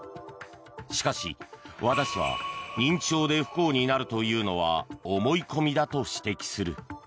しかし、和田氏は認知症で不幸になるというのは思い込みだと指摘する。